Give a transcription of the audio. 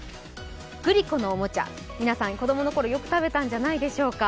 グリコのおもちゃ、皆さん子供の頃よく食べたんじゃないでしょうか。